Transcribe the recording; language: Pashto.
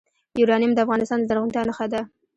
یورانیم د افغانستان د زرغونتیا نښه ده.